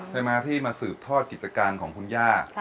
ใช่ไหมที่มาสืบทอดกิจการของคุณย่า